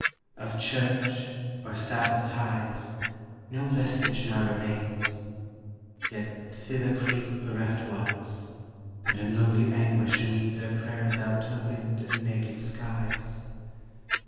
Of church, or sabbath ties, 5 No vestige now remains; yet thither creep Bereft Ones, and in lowly anguish weep Their prayers out to the wind and naked skies.